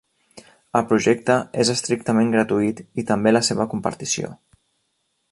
El projecte és estrictament gratuït i també la seva compartició.